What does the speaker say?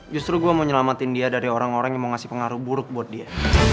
justru gue mau nyelamatin dia dari orang orang yang mau ngasih pengaruh buruk buat dia